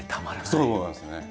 そうなんですね。